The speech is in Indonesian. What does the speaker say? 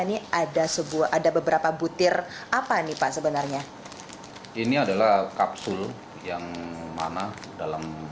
ini ada sebuah ada beberapa butir apa nih pak sebenarnya ini adalah kapsul yang mana dalam